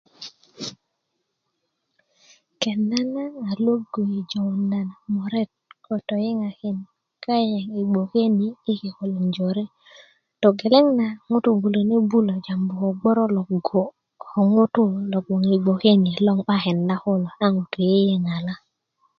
kenda na a logu yi' yi jonda muret kotoyiŋakin kayaŋ yi gboke yi kikolin jore togeleŋ na bulöni bulö jambu gborolo go ko ŋutu' logon yi gboke ni logon 'ba kenda kulo ko ŋutu' yiyiŋala